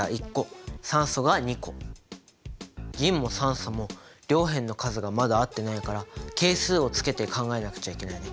銀も酸素も両辺の数がまだ合ってないから係数をつけて考えなくちゃいけないね。